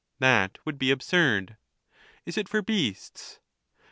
That would be absurd. Is it for beasts?